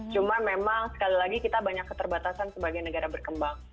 cuma memang sekali lagi kita banyak keterbatasan sebagai negara berkembang